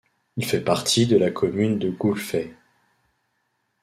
Il fait partie de la commune de Goulfey.